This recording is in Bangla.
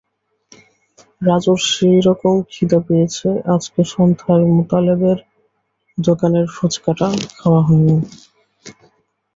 রাজুর সেই রকম খিদে পেয়েছে, আজকে সন্ধ্যায় মোতালেবের দোকানের ফুচকাটা খাওয়া হয়নি।